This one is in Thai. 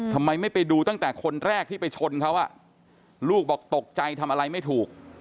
ทำไมไม่ไปดูตั้งแต่คนแรกที่ไปชนเขาลูกบอกตกใจทำอะไรไม่ถูก